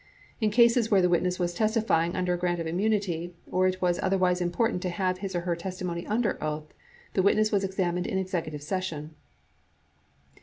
In cases where the witness was testifying under a grant of immunity or it was otherwise important to have his or her testimony under oath, the witness was examined in executive session.